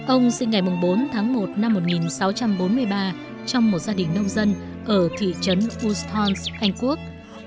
ông sinh ngày bốn tháng một năm một nghìn sáu trăm bốn mươi ba trong một gia đình nông dân ở thị trấn uzone anh quốc